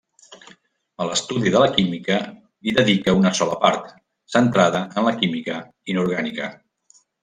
A l’estudi de la química hi dedica una sola part, centrada en la química inorgànica.